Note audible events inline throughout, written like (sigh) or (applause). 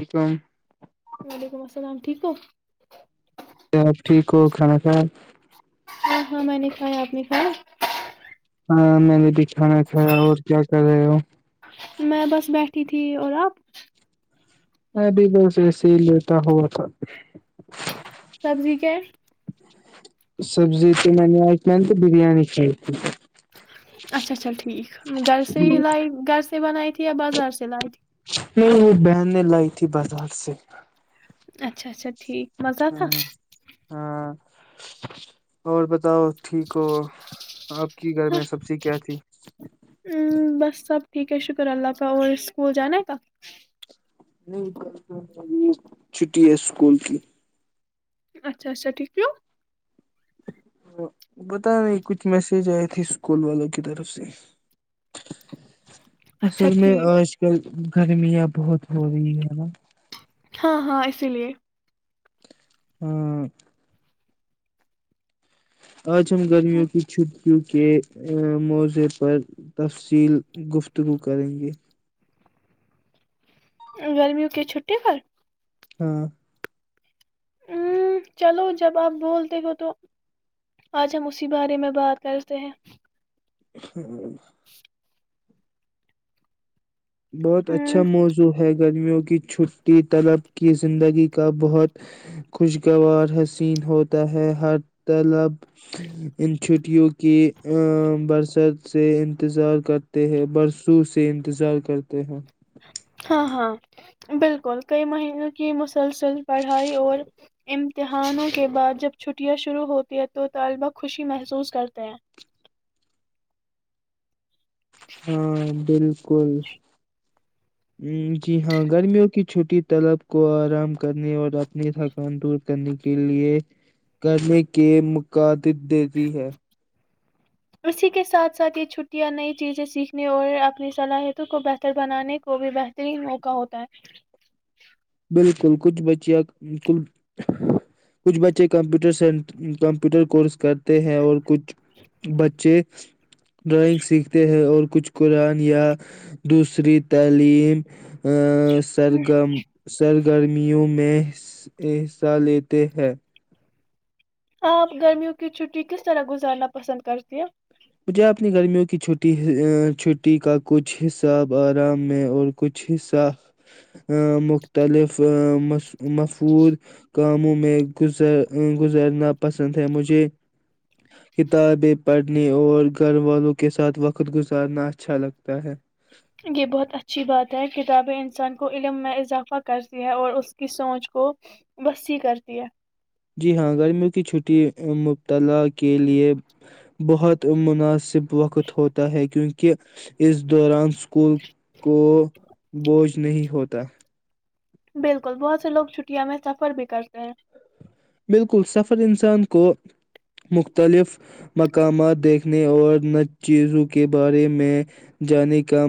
یکم (unintelligible) وعلیکم السلام ٹھیک ہو (unintelligible) کیا آپ ٹھیک ہو کھانا کھا (unintelligible) ہاں ہاں میں نے (unintelligible) ہ آپنی کون (unintelligible) ہاں میں نے بھی کھانا کھایا اور کیا کر رہے ہو (unintelligible) میں بس بیٹھی تھی اور آپ (unintelligible) ابھی ب ایسے ہی لیتا ہوا تھا (unintelligible) سبزی کیا (unintelligible) سبزی ت منی آئیتلن بریانی چ اچھا اچھا ٹھیک گھرس لائ گھر سے بنائی تھی یا بازار سے لائی تھی نہیں وہ بہن نے لائی تھی بازار سے اچھا اچھا ٹھیک مزہ ہ تھا ہاں اور بتاؤ ٹھیک ہو آپ کی گھر ہاں، میں سبزی کیا تھی ام، بس سب ٹھیک ہے شکر اللہ کا اور اسکول جانا کا نہیں چھٹی ہے اسکول کی اچھا اچھا ٹھیکو بتا نہیں کچھ میسج آئے تھے اسکول والوں کی طرف سے اچھا اصل میں ٹھیک آج کل گرمیاں بہت ہو رہی ہے نا ہاں ہاں اسی لیے ہوں آج ہم گرمیوں کی چھٹیوں کے موضعے پر تفصیل گفتگو کریں گے گرمیوں کی چھٹی پر ہاں ہ چلو جب آپ بولتے ہو تو آج ہم اسی بارے میں بات کرتے ہیں ہ اچھا بہت ام، اچھا موضوع ہے گرمیوں کی چھٹی طلب کی زندگی کا بہت خوشگوار حسین ہوتا ہے ہر طلب ان چھٹیوں کی برست سے انتظار کرتے ہے برسوں سے انتظار کرتے ہیں ہاں ہاں بالکل کئی مہینوں کی م مسلسل پڑھائی اور امتحانوں کے بعد جب چھٹیاں شروع ہوتی ہیں تو طالبہ خوشی محسوس کرتے ہیں ہاں بالکل جی ہاں گرمیوں کی چھوٹی طلب کو آرام کرنے اور اپنی تھکان دور کرنے کے لیے کرنے کے مق دب دیتی ہے اسی کے ساتھ ساتھ یہ چھٹیاں نئی چیزیں سیکھنے اور اپنی صلاحیتوں کو بہتر بنانے کو بھی بہترین موقع ہوتا ہے بالکل کچھ کچھ بچے کمپیوٹر کورس کرتے ہیں اور کچھ بچے ڈرائنگ سیکھتے ہیں اور کچھ قرآن یا دوسری تعلیم سرگم ر گرمیوں میں حصہ لیتے ہیں آپ گرمیوں کی چھٹی کس طرح گزارنا پسند کرتی ہیں مجھے اپنی گرمیوں کی چ چھٹی کا کچھ حصہ آرام میں اور کچھ حصہ مختلف مفہور کاموں میں گزر گزرنا پسند ہے مجھے کتابیں پ اپنے اور گھر والوں کے ساتھ وقت گزارنا اچھا لگتا ہے یہ بہت اچھی بات ہے کتابیں انسان کو علم میں اضافہ کرتی ہے اور اس کی سوچ کو وسی کرتی ہے جی ہاں گرمیوں کی چھٹی مبتلا کے لیے بہت مناسب وقت ہوتا ہے کیونکہ کہ اس دوران اسکول کو بوجھ نہیں ہوتا بالکل بہت سے لوگ چھٹیا میں سفر بھی کرتے ہیں بالکل سفر انسان کو مختلف مقامات دیکھنے اور نج چیزوں کے بارے میں جاننے کا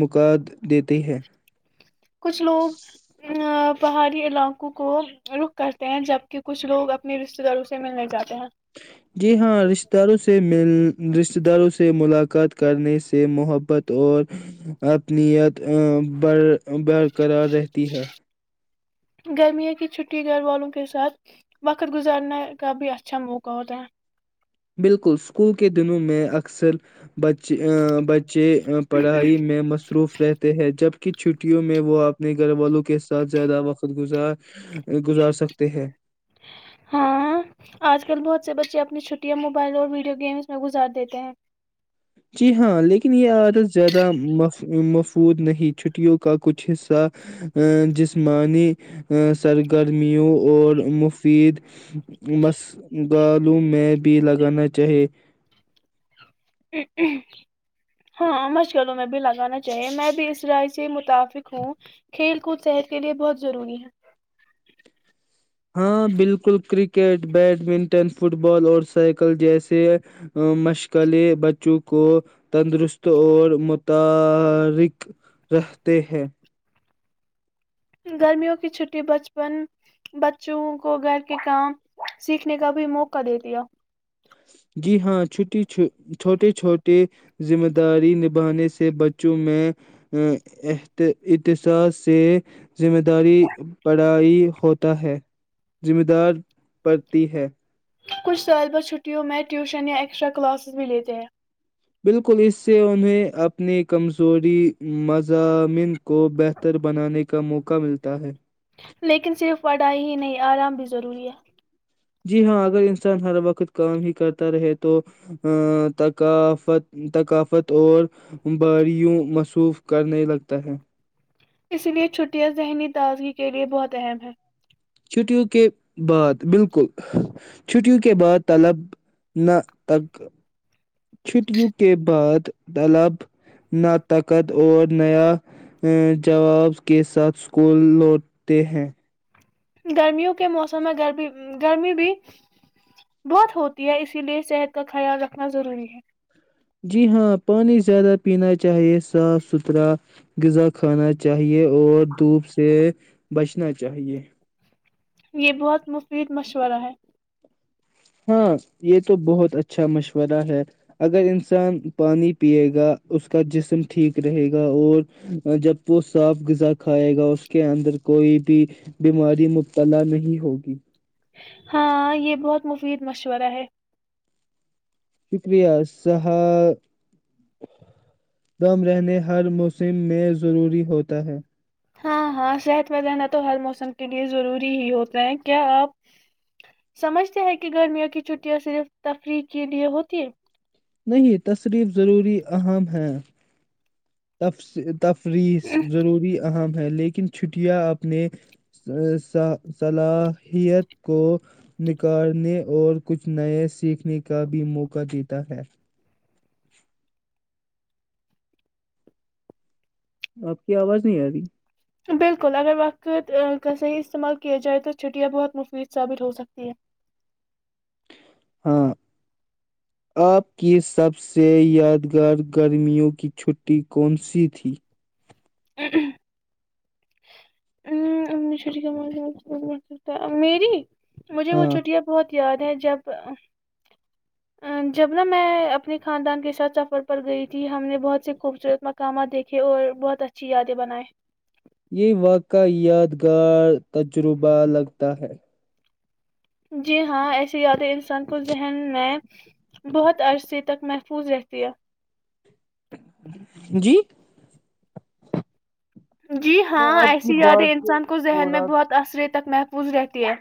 مقاد دیتے ہیں کچھ لوگ ا پہاڑی علاقوں کو رخ کرتے ہیں جبکہ کچھ لوگ اپنے رشتتے داروں سے ملنے جاتے ہیں جی ہاں رشتتے داروں سے مل رشتتے داروں سے ملاقات کرنے سے محبت اور اپنیت برقرار رہتی ہے گرمیوں کی چھٹی گھر والوں کے ساتھ وقت گزارنے کا بھی اچھا موقع ہوتا ہے بالکل اسکول کے دنوں میں اکثر بچے بچے پڑھائی میں مصروف رہتے ہیں جب کی چھٹیوں میں وہ اپنے گھر والوں کے ساتھ زیادہ وقت گزار گزار سکتے ہیں ہاں آج کل بہت سے بچے اپنی چھٹیاں موبائل اور ویڈیو گیمز میں گزار دیتے ہیں جی ہاں لیکن یہ عادت زیادہ مفود نہیں چھٹیوں کا کچھ حصہ جسمانی سرگرمیوں اور مفید مسگالوں میں بھی لگانا چاہے ہاں مشغلوں میں بھی لگانا چاہیے میں بھی اس رائے سے متفق ہوں کھیل کود صحت کے لیے بہت ضروری ہے ہاں بالکل کرکٹ بیڈمنٹن فٹ بال اور سائیکل جیسے مشغلیں بچوں کو تندرست اور متارق رہتے ہیں گرمیوں کی چھٹی بچپن بچوں کو گھر کے کام سیکھنے کا بھی موقع دے دیا جی ہاں چھٹی چ چھوٹے چھوٹے ذمہ داری نبھانے سے بچوں میں ا احتسس سے ذمہ داری پڑھائی ہوتا ہے ذمہ دار پڑتی ہے کچھ سال بعد چھٹیوں میں ٹیوشن یا ایکسٹرا کلاسز بھی لیتے ہیں بالکل اس سے انہیں اپنی کمزوری مضامین کو بہتر بنانے کا موقع ملتا ہے لیکن صرف پڑھائی ہی نہیں آرام بھی ضروری ہے جی ہاں اگر انسان ہر وقت کام ہی کرتا رہے تو ثقافت ثقافت اور باریوں مصروف کرنے لگتا ہے اس لیے چھٹیاں ذہنی تازگی کے لیے بہت اہم ہے چھٹیوں کے بعد بالکل چھٹیوں کے بعد طلب نہ ت چھٹیوں کے بعد طلب نطقت اور نیا جواب کے ساتھ اسکول لوٹتے ہیں گرمیوں کے موسم میں گرمی گرمی بھی بہت ہوتی ہے اسی لیے صحت کا خیال رکھنا ضروری ہے جی ہاں پانی زیادہ پینا چاہیے صاف ستھرا غذا کھانا چاہیے اور دھوپ سے بچنا چاہیے یہ بہت مشل پید مشورہ ہے ہاں یہ تو بہت اچھا مشورہ ہے اگر انسان پانی پیے گا اس کا جسم ٹھیک رہے گا اور جب وہ صاف غذا کھائے گا اس کے اندر کوئی بھی بیماری مبتلا نہیں ہوگی پیر مشورہ ہے شکریہ صحا دم رہنے ہر موسم میں ضروری ہوتا ہے ہاں ہاں صحت مند رہنا تو ہر موسم کے لیے ضروری ہی ہوتا ہے کیا آپ سمجھتے ہیں کہ گرمیوں کی چھٹیاں صرف تفریح کے لیے ہوتی ہے نہیں تشریف ضروری اہم ہے تب سے تفریص ہے ضروری اہم ہیں لیکن چھٹیاں اپنی صلاحیت کو نکارنے اور کچھ نئے سیکھنے کا بھی موقع دیتا ہے آپ کی آواز نہیں آ رہی بالکل اگر وقت کا صحیح استعمال کیا جائے تو چھٹیاں بہت مفید ثابت ہوسکتی ہیں ہاں آپ کی سب سے یادگار گرمیوں کی چھٹی کون سی تھی (unintelligible) مجھے وہ ہاں چھٹیاں بہت یاد ہے جب ا جب نہ میں اپنے خاندان کے ساتھ سفر پر گئی تھی ہم نے بہت سے خوبصورت مقامات دیکھے اور بہت اچھی یادیں بنائے یہ واقع یادگار تجربہ لگتا ہے جی ہاں ایسی یاد ہے سان کو جذہن میں بہت عرصے تک محفوظ رہتیا جی جی میں ہاں آپ کی ایسی بات یادیں سے انسان کو ذہن میں پورا بہت اثرت تک محفوظ رہتی ہیں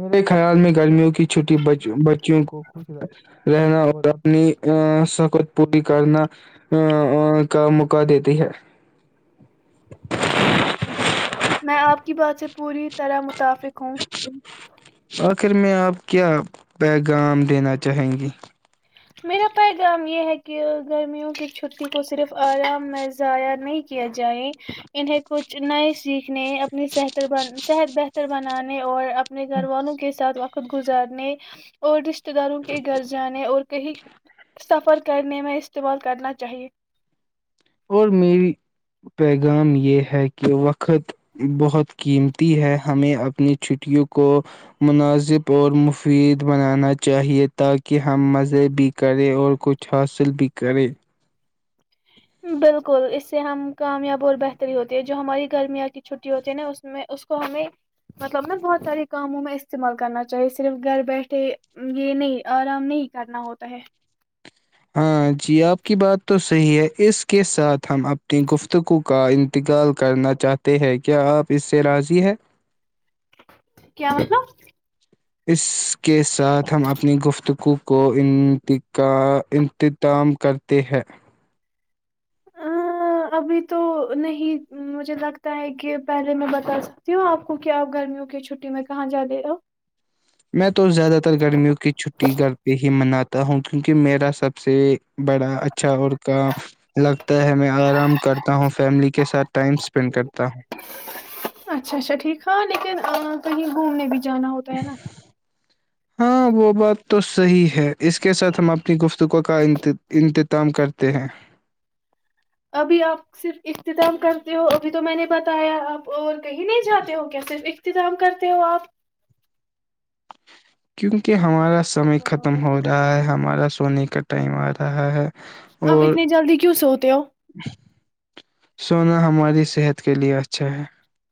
میرے خیال میں گرمیوں کی چھٹی بچوں کو خوش رہنا اور اپنی سخت پوری کرنا ا کا موقع دیتی ہے میں آپ کی بات سے پوری طرح متفق ہوں آخر میں آپ کیا بیغام دینا چاہیں گی میرا پیغام یہ ہے کہ گرمیوں کی چھٹی کو صرف آرام م ضائع نہیں کیا جائےیں انہیں کچھ نئے سیکھ نے اپنی صحت ب صحت بت ر بنانے اور اپنے گھر والوں کس ساتھ گزارنے اور رت داروں کے گھر جانے اور (unintelligible) سفر کرنے میں استعمال کرنا چاہیئے اور میرری پیغام یہ ہے کہ وقت بہت قیمتی ہے ہمیں اپنی چھٹیوں کو مناسب اور مفید بنانا چاہیئے تاکہ ہم مزے بھی کریں اور کچھ حاصل بھی کریں بالکل اس سے ہم کامیاب اور بہتری ہوتی ہے جو ہماری گرمیا کی چھٹی ہوتی ہے نا اس میں اس کو ہمیں مطلب نا بہت سارے کاموں میں استعمال کرنا چاہیے صرف گھر بیٹھے یہ نہیں آرام نہیں کرنا ہوتا ہے ہاں جی آپ کی بات تو صحیح ہے اس کے ساتھ ہم اپنی گفتگو کا ان انتقال کرنا چاہتے ہیں کیا آپ اس سے راضی ہیں؟ کیا ہوتا اس کے ساتھ ہم اپنی گفتگو کو انتتام کرتے ہیں ابھی تو نہیں مجھے لگتا ہے کہ پہلے میں بتا سکتی ہوں آپ کو کہ آپ گرمیوں کی چھٹی میں کہاں جا لے گ میں تو زیادہ تر گرمیوں کی چھٹی گھر پہ ہی مناتا ہوں کیونکہ میرا سب سے بڑا اچھا اور کا لگتا ہے میں آرام کرتا ہوں فیملی کے ساتھ ٹائم اسپینڈ کرتا ہوں آ کہیں گھومنے بھی جانا ہوتا ہے نا ہاں وہ بات تو صحیح ہے اس کے ساتھ ہم اپنی گفتگو کا انتتام کرتے ہیں ابھی آپ صرف اختتام کرتے ہو ابھی تو میں نے بتایا آپ اور کہیں نہیں جاتے ہو کیا صرف اختظام کرتے ہو آپ کیک کہ ہمارا سمے ختم ہو رہا ہے ہمارا سونے کا ٹائم آ رہا ہے آپ اور اتنی جلدی کیوں سوتے ہو سونا ہماری صحت کے لیے اچھا ہے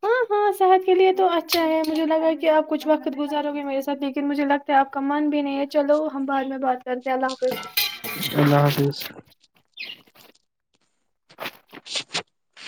ہاں ہاں صحت کے لیے تو اچھا ہے مجھے لگا کہ آپ کچھ وقت گزارو گے میرے ساتھ لیکن مجھے لگتا ہے آپ کا من بھی نہیں ہے چلو ہم بع میں بات کرتے ہیں اللہ حافظ اللہ حافظ (inaudible)